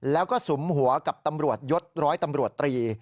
แล้วก็สุมหัวกับตำรวจยศร้อยตำรวจตรี